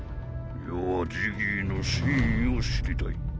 余はジギーの真意を知りたい。